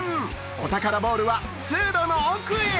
お宝ボールは通路の奥へ。